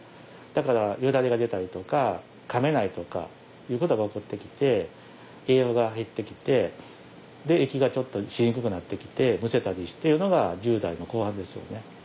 だからよだれが出たりとか噛めないとかいうことが起こって来て栄養が減って来て息がちょっとしにくくなって来てむせたりっていうのが１０代の後半ですよね。